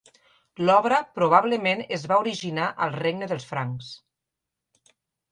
L'obra probablement es va originar al Regne dels Francs.